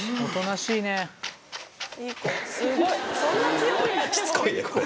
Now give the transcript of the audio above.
しつこいねこれ。